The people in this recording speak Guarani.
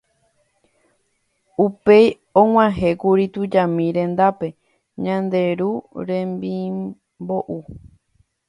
Upéi og̃uahẽkuri tujami rendápe Ñande Ru remimbou.